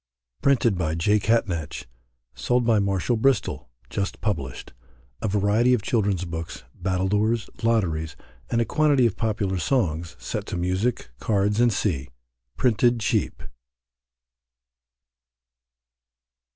Printed by J. Catnach, Sold by Marshall Bristol. Just Published A Variety of Children's Books, Battledores, Lotteries, and a quantity of popular Songs, set to Music. Cards, &c., Printed cheap.